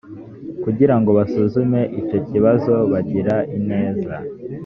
kugira ngo basuzume icyo kibazo bagira ineza